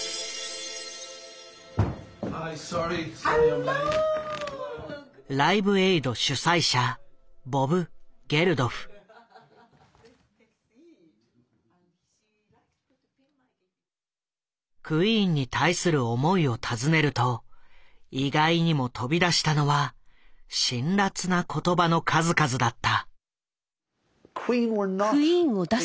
Ｉ’ｍｓｏｒｒｙ．クイーンに対する思いを尋ねると意外にも飛び出したのは辛辣な言葉の数々だった。